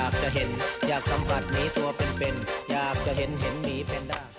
เพลงนี้เลยไปฟัง